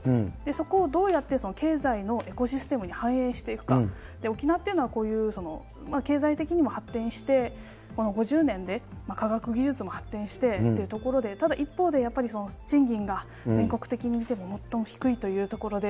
そこをどうやって経済のエコシステムにはんえいしていくか、沖縄っていうのは、こういう経済的にも発展して、この５０年で科学技術も発展してというところで、ただ一方で、賃金が全国的に見ても最も低いというところで。